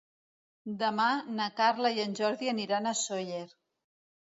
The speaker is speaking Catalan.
Demà na Carla i en Jordi aniran a Sóller.